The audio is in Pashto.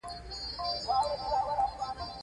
ځیني توکي د عصبي سیستم فعالیتونه چټکتیا زیاتوي.